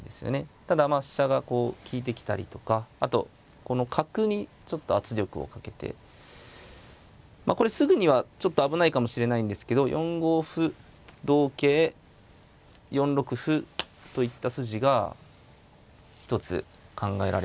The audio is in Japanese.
ただまあ飛車がこう利いてきたりとかあとこの角にちょっと圧力をかけてこれすぐにはちょっと危ないかもしれないんですけど４五歩同桂４六歩といった筋が一つ考えられますね。